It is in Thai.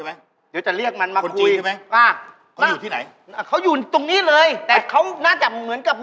อาจารย์เรียกมันมาปรับตัวนะครับ